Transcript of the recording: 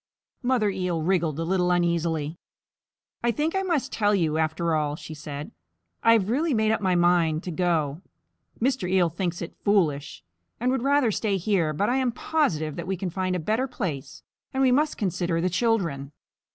Mother Eel wriggled a little uneasily. "I think I must tell you after all," she said. "I have really made up my mind to go. Mr. Eel thinks it foolish, and would rather stay here, but I am positive that we can find a better place, and we must consider the children.